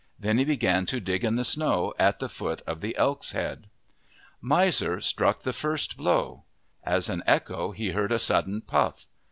Then he began to dig in the snow at the foot of the elk's head. Miser struck the first blow. As an echo he heard a sudden pufF.